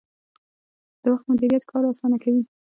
د وخت مدیریت کار اسانه کوي